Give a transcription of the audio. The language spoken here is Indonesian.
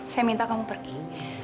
saya minta kamu pergi